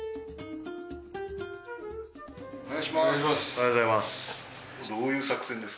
お願いします。